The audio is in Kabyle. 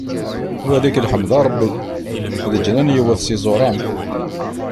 Wali-k lḥemd a Ṛebbi, leǧnan yewwet s iẓuran.